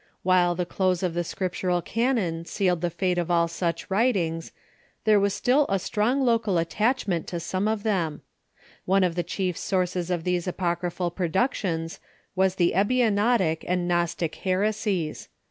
While the close of the Scriptural canon sealed the fate of all such writings, there ArOCRYPIIAL WRITINGS 61 was still a strong local attachment to some of tliem. One of the chief sources of these apocryphal ])ro(iuctions was the Ebionitic and Gnostic heresies.